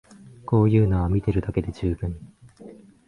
こういうのは見てるだけで充分